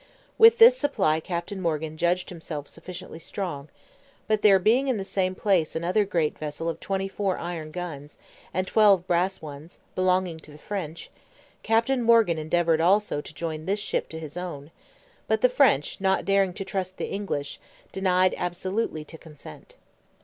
With this supply Captain Morgan judged himself sufficiently strong; but there being in the same place another great vessel of twenty four iron guns, and twelve brass ones, belonging to the French, Captain Morgan endeavoured also to join this ship to his own; but the French not daring to trust the English, denied absolutely to consent.